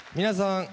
皆さん。